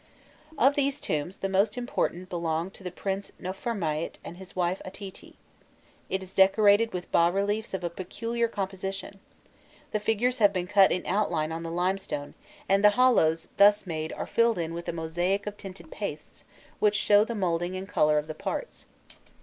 Of these tombs the most important belonged to the Prince Nofirmâît and his wife Atiti: it is decorated with bas reliefs of a peculiar composition; the figures have been cut in outline in the limestone, and the hollows thus made are filled in with a mosaic of tinted pastes which show the moulding and colour of the parts.